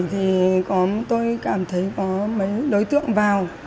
thì tôi cảm thấy có mấy đối tượng vào